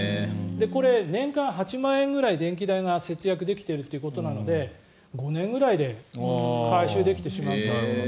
これ、年間８万円くらい電気代が節約できているということなので５年ぐらいで回収できてしまうっていうことで。